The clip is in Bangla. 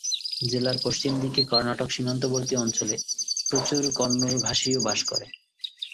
জেলার পশ্চিম দিকে কর্ণাটক-সীমান্তবর্তী অঞ্চলে প্রচুর কন্নড়-ভাষীও বাস করেন।